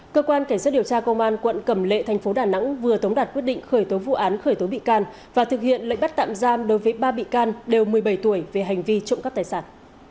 cơ quan cảnh sát điều tra công an quận cầm lệ thành phố đà nẵng vừa tống đạt quyết định khởi tố vụ án khởi tố bị can và thực hiện lệnh bắt tạm giam đối với ba bị can đều một mươi bảy tuổi về hành vi trộm cắp tài sản